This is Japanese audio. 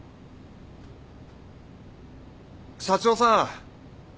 社長さん。